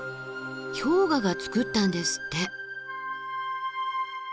氷河がつくったんですって。